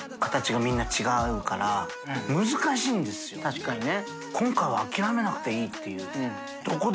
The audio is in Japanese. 確かにね。